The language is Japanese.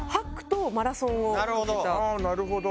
なるほど。